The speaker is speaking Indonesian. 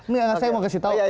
nggak nggak saya mau kasih tahu